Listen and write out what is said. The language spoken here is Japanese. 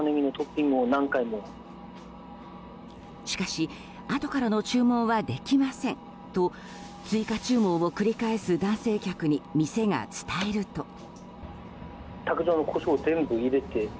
しかしあとからの注文はできませんと追加注文を繰り返す男性客に店が伝えると。